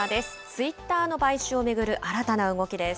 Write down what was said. ツイッターの買収を巡る新たな動きです。